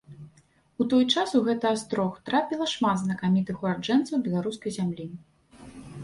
У той час у гэты астрог трапіла шмат знакамітых ураджэнцаў беларускай зямлі.